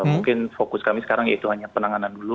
mungkin fokus kami sekarang yaitu hanya penanganan dulu